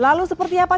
lalu seperti apa